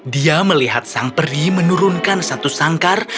dia melihat sang peri menurunkan satu sangkar